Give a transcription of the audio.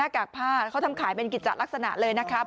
กากผ้าเขาทำขายเป็นกิจจัดลักษณะเลยนะครับ